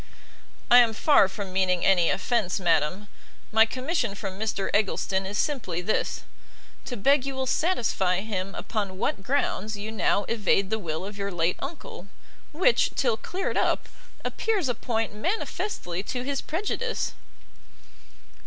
"I am far from meaning any offence, madam; my commission from Mr Eggleston is simply this, to beg you will satisfy him upon what grounds you now evade the will of your late uncle, which, till cleared up, appears a point manifestly to his prejudice."